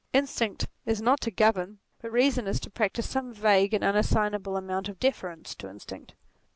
Instinct is not to govern, but reason is to practise some vague and unassignable amount of deference to Instinct.